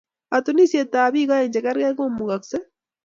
katuniesietab bik aeng chegergei ko imugasei?